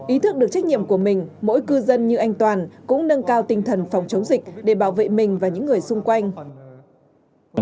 ý thức được trách nhiệm của mình mỗi cư dân như anh toàn cũng nâng cao tinh thần phòng chống dịch để bảo vệ mình và những người xung quanh